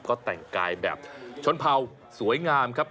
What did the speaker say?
ก็แต่งกายแบบชนเผ่าสวยงามครับ